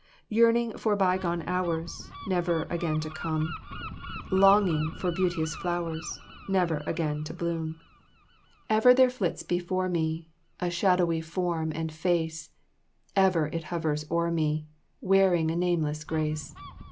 Yearning for by gone hours, Never again to come; Longing for beauteous flowers, Never again to bloom. Ever there flits before me A shadowy form and face; Ever it hovers o'er me, Wearing a nameless grace.